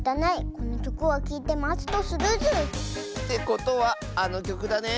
このきょくをきいてまつとするズー。ってことはあのきょくだね？